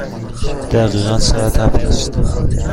دقیقاً ساعت هفت است.